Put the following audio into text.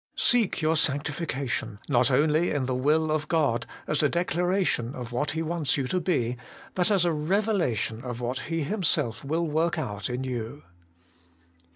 Seek your sanctification, not only in the will of God, as a declaration of what He wants you to be, but as a revelation of what He Himself will work out in you.